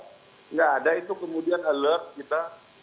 tidak ada itu kemudian alert kita